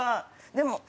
でも。